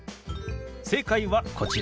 正解はこちら。